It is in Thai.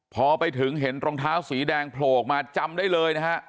พอไปถึงเห็นรองเท้าสีแดงโผล่ออกมาจำได้เลยนะฮะ